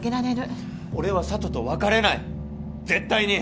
俺は佐都と別れない絶対に！